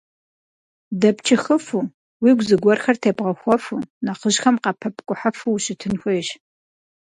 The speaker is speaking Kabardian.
Дэпчыхыфу, уигу зыгуэрхэр тебгъэхуэфу, нэхъыжьхэм къапэпкӀухьыфу ущытын хуейщ.